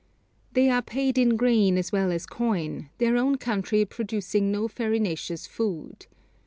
They are paid in grain as well as coin, their own country producing no farinaceous food.